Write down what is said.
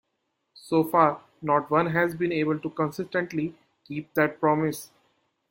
So far not one has been able to consistently keep that promise.